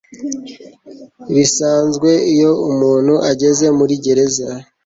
bisanzwe iyo umuntu ageze muri gereza